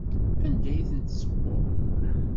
Anda i ten-tessewweḍ?